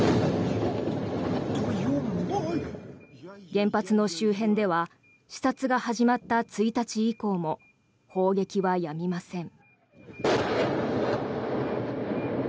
原発の周辺では視察が始まった１日以降も砲撃はやみません。